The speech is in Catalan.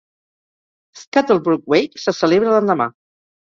Scuttlebrook Wake se celebra l'endemà.